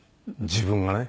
自分がね。